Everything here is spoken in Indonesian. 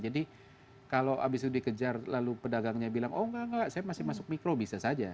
jadi kalau habis itu dikejar lalu pedagangnya bilang oh nggak nggak saya masih masuk mikro bisa saja